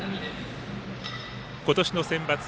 今年のセンバツ。